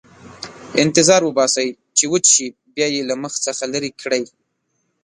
انتظار وباسئ چې وچ شي، بیا یې له مخ څخه لرې کړئ.